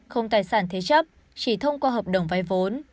không tài sản thế chấp chỉ thông qua hợp đồng vay vốn